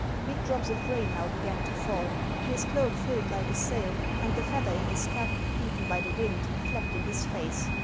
Big drops of rain now began to fall ; his cloak filled like a sail, and the feather in his cap, beaten by the wind, flapped in his face.